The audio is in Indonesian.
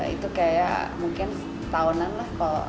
itu kayak mungkin setahunan lah kalau